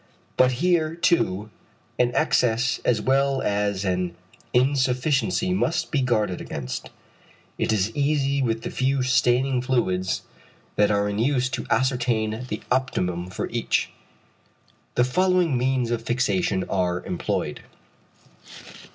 But here, too, an excess as well as an insufficiency must be guarded against. It is easy with the few staining fluids that are in use to ascertain the optimum for each. The following means of fixation are employed.